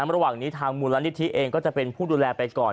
ระหว่างนี้ทางมูลนิธิเองก็จะเป็นผู้ดูแลไปก่อน